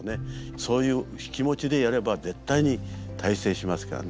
そういう気持ちでやれば絶対に大成しますからね。